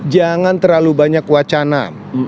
jangan terlalu banyak wacana